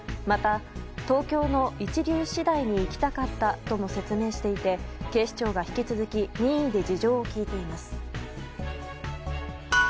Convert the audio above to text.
また東京の一流私大に行きたかったとも説明していて、警視庁が引き続き任意で事情を聴いています。